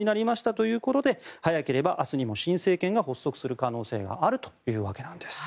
組閣が可能になりましたということで早ければ明日にも新政権が発足する可能性があるわけです。